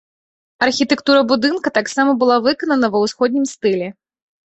Архітэктура будынка таксама была выканана ва ўсходнім стылі.